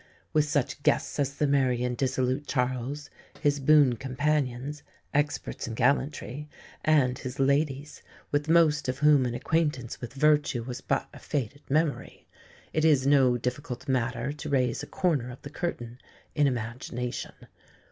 With such guests as the merry and dissolute Charles, his boon companions, experts in gallantry, and his ladies, with most of whom an acquaintance with virtue was but a faded memory, it is no difficult matter to raise a corner of the curtain in imagination.